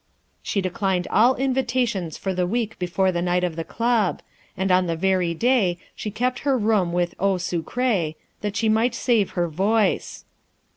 She declined all invitations for the week before the night of the Club, and on the very day she kept her room with eau sucrée, that she might save her voice.